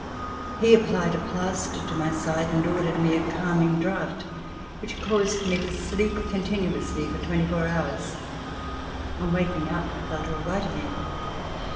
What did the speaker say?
He applied a plaster to my side and ordered me a calming draft which caused me to sleep continuously for twenty four hours. On waking up I felt all right again.